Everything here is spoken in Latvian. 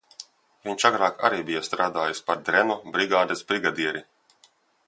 Viņš agrāk arī bija strādājis par drenu brigādes brigadieri.